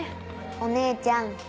お姉ちゃん